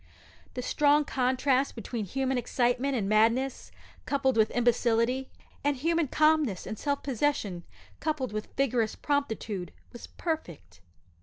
The strong contrast between human excitement and madness coupled with imbecility, and human calmness and self possession coupled with vigorous promptitude, was perfect.